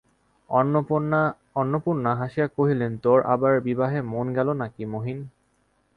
অন্নপূর্ণা হাসিয়া কহিলেন, তোর আবার বিবাহে মন গেল নাকি, মহিন।